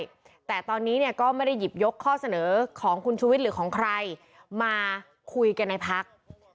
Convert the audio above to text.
แต่ตอนนี้เนี่ยก็ไม่ได้หยิบยกข้อเสนอของคุณชุวิตหรือของใครมาคุยกันในพัก